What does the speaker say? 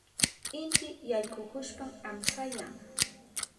Inti yaykuhushpan amsayan.